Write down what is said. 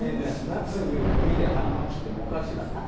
夏に海で腹巻きっておかしいですけどね。